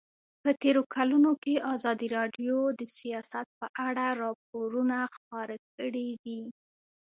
په تېرو کلونو کې ازادي راډیو د سیاست په اړه راپورونه خپاره کړي دي.